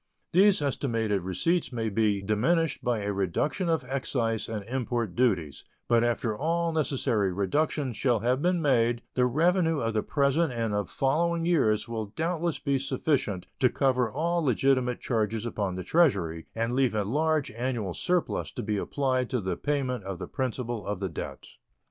These estimated receipts may be diminished by a reduction of excise and import duties, but after all necessary reductions shall have been made the revenue of the present and of following years will doubtless be sufficient to cover all legitimate charges upon the Treasury and leave a large annual surplus to be applied to the payment of the principal of the debt.